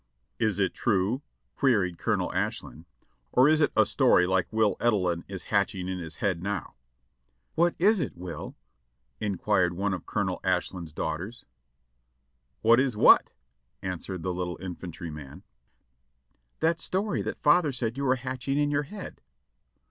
"Is it true," queried Colonel Ashlin, "or is it a story like Will Edelin is hatching in his head now ?" "What is it. Will?" inquired one of Colonel Ashlin's daughters. "What is what?" answered the little infantryman. . "That story that father said you were hatching in your head."